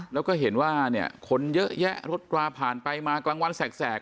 แล้วก็เห็นว่าเนี่ยคนเยอะแยะรถกราผ่านไปมากลางวันแสก